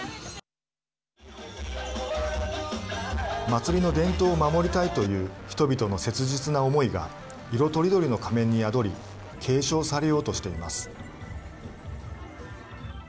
祭りの伝統を守りたいという人々の切実な思いが色とりどりの仮面に宿り継承されようとしています。